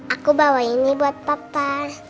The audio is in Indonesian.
aku bawa ini buat papa